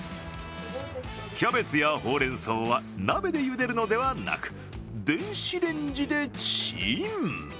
キャベツやほうれん草は鍋でゆでるのではなく、電子レンジでチン！